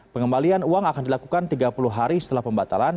pengembalian uang akan dilakukan tiga puluh hari setelah pembatalan